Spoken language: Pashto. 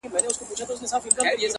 • نه خبر وو چي سبا او بېګاه څه دی ,